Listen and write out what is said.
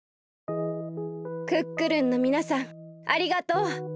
クックルンのみなさんありがとう。